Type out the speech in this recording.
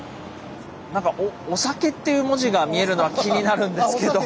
何か「御酒」っていう文字が見えるのは気になるんですけど。